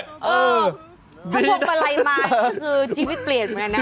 ถ้าบรวงมาลัยมากี่คือชีวิตเปลี่ยนไงนะ